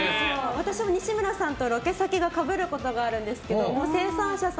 私も西村さんとロケ先が被ることがあるんですけど生産者さん